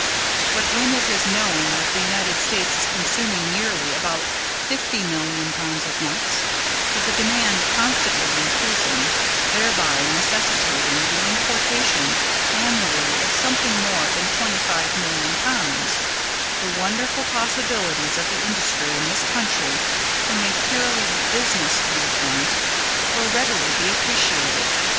But, when it is known that the United States is consuming yearly about 50,000,000 pounds of nuts, with the demand constantly increasing, thereby necessitating the importation annually of something more than 25,000,000 pounds, the wonderful possibilities of the industry in this country, from a purely business view point, will readily be appreciated.